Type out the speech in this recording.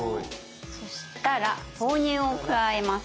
そしたら豆乳を加えます。